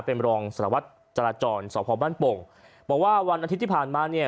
เป็นรองสารวัตรจราจรสพบ้านโป่งบอกว่าวันอาทิตย์ที่ผ่านมาเนี่ย